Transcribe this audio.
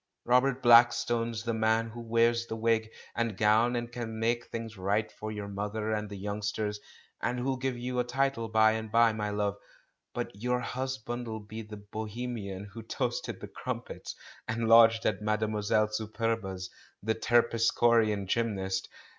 Robert THE CALL FROM THE PAST 419 Blackstone's the man who wears the wig and go^vTi, and can make things right for your mother and the youngsters, and who'll give you a title by and by, my love; but your husband'll be the bohemian who toasted the crumpets, and lodged at mademoiselle Superba's, the terpsichorean g}^mnast.